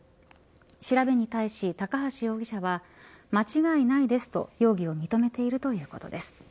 調べに対して高橋容疑者は間違いないですと容疑を認めているということです。